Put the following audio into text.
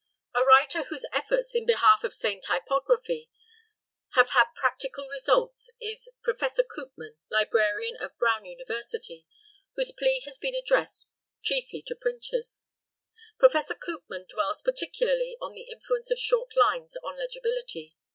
A writer whose efforts in behalf of sane typography have had practical results is Professor Koopman, librarian of Brown University, whose plea has been addressed chiefly to printers. Professor Koopman dwells particularly on the influence of short lines on legibility.